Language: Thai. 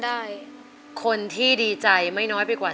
สีหน้าร้องได้หรือว่าร้องผิดครับ